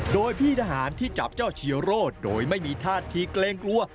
โดยพี่ทหารที่จับเจ้าชีโร่โดยไม่มีท่าทีเกรงกลัว